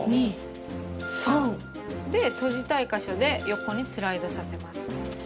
１２３。で閉じたい箇所で横にスライドさせます。